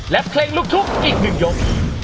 และเพลงลูกทุ่งอีก๑ยก